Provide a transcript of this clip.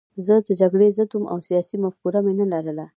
زه د جګړې ضد وم او سیاسي مفکوره مې نه لرله